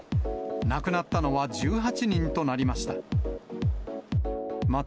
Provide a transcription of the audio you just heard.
亡くなったのは１８人となりました。